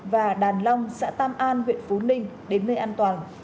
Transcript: và đàn long xã tam an huyện phú ninh đến nơi an toàn